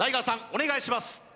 お願いします